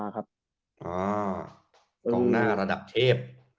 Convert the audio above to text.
อ่าตรงหน้าระดักเชฟ